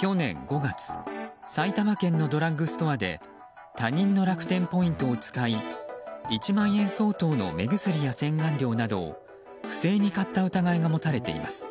去年５月、埼玉県のドラッグストアで他人の楽天ポイントを使い１万円相当の目薬や洗顔料などを不正に買った疑いが持たれています。